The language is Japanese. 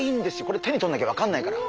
これ手にとんなきゃ分かんないから。